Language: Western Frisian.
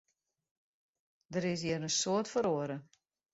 Der is hjir in soad feroare.